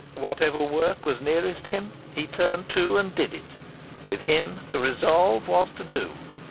Whatever work was nearest him, he turned to and did it. With him to resolve was to do.